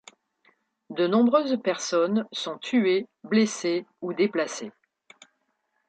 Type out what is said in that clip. De nombreuses personnes sont tuées, blessées ou déplacées.